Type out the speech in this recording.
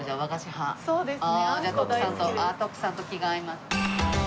徳さんと気が合います。